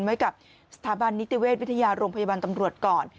ไว้กับสถาบันนิติเวชวิทยาโรงพยาบาลตำรวจก่อน